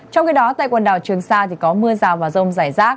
trong khi đó tại quần đảo trường sa có mưa rào và rông rải rác